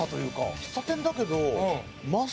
喫茶店だけど。